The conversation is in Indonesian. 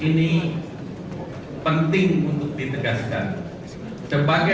ini penting untuk ditegaskan